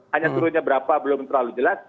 hanya turunnya berapa belum terlalu jelas